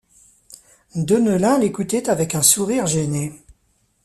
Deneulin l’écoutait avec un sourire gêné.